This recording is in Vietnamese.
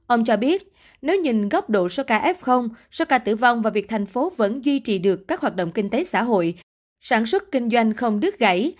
ông cho biết nếu nhìn góc độ soka f soka tử vong và việc thành phố vẫn duy trì được các hoạt động kinh tế xã hội sản xuất kinh doanh không đứt gãy